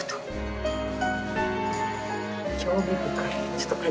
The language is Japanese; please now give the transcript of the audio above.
興味深い。